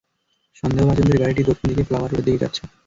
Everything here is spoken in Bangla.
সন্দেহভাজনদের গাড়িটি দক্ষিণ দিকে ফ্লাওয়ার রোডের দিকে যাচ্ছে।